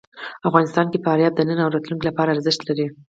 افغانستان کې فاریاب د نن او راتلونکي لپاره ارزښت لري.